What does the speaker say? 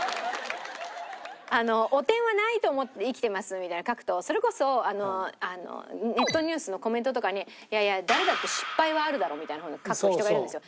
「汚点はないと思って生きてます」みたいなのを書くとそれこそネットニュースのコメントとかに「いやいや誰だって失敗はあるだろ」みたいな風に書く人がいるんですよ。